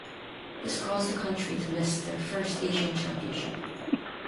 This caused the country to miss their first Asian championship.